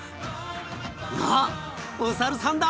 あっお猿さんだ！